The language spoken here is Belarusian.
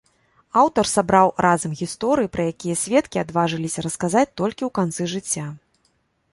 Аўтар сабраў разам гісторыі, пра якія сведкі адважыліся расказаць толькі ў канцы жыцця.